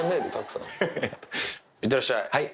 いってらっしゃい。